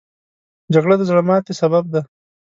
جګړه د زړه ماتې سبب ده